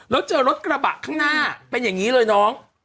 แล้วเจอรถกระบะข้างหน้าเป็นอย่างนี้เลยน้อง